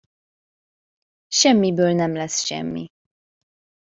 Semmiből nem lesz semmi.